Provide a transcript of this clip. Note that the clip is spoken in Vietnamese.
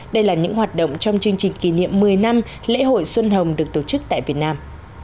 đây là những hoạt động trong chương trình kỷ niệm một mươi năm lễ hội xuân hồng được tổ chức tại việt nam